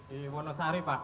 di wonosari pak